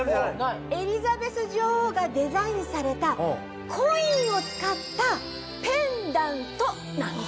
エリザベス女王がデザインされたコインを使ったペンダントなんですよ。